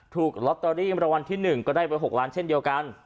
ถูกลอตเตอรี่มรางวัลที่๑ก็ได้ไป๖ล้านเช่นเดียวกัน